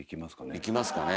いきますかね。